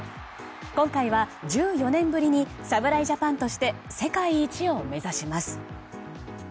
今回は１４年ぶりに侍ジャパンとして世界一を目指します。